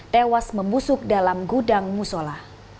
tewas membusuk dalam gudang musola